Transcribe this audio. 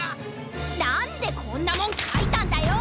なんでこんなもんかいたんだよ！